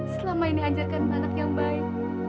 selama ini anjar kan anak yang baik